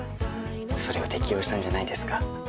それを適用したんじゃないですか。